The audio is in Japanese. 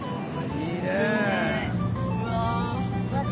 いいね。